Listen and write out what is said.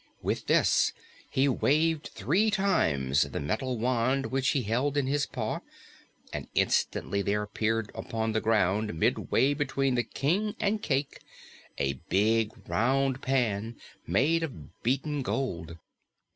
With this he waved three times the metal wand which he held in his paw, and instantly there appeared upon the ground midway between the King and Cayke a big, round pan made of beaten gold.